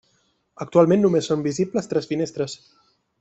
Actualment només són visibles tres finestres.